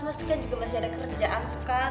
mas kan juga masih ada kerjaan